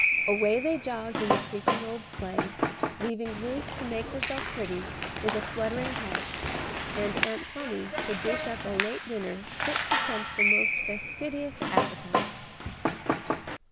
Away they jogged in the creaking old sleigh, leaving Ruth to make herself pretty, with a fluttering heart, and Aunt Plumy to dish up a late dinner fit to tempt the most fastidious appetite.